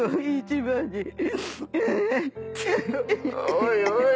おいおい。